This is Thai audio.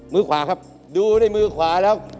มือขวาครับดูในมือขวาแล้ว